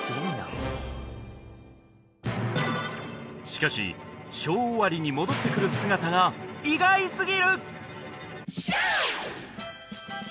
しかしショー終わりに戻ってくる姿が意外すぎる！